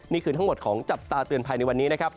นี่คือทั้งหมดของจับตาเตือนภัยในวันนี้นะครับ